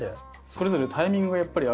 それぞれタイミングがやっぱりあるので。